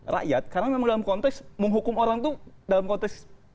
rakyat karena memang dalam konteks menghukum orang itu dalam konteks